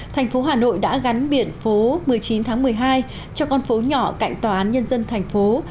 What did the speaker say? thành phố hà nội đã gắn biển phố một mươi chín tháng một mươi hai cho con phố nhỏ cạnh tòa án nhân dân thành phố